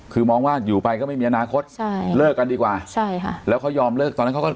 คือมองว่าอยู่ไปก็ไม่มีอนาคตใช่เลิกกันดีกว่าใช่ค่ะแล้วเขายอมเลิกตอนนั้นเขาก็